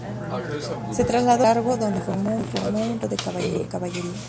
Se trasladó a Cerro Largo, donde formó un regimiento de caballería.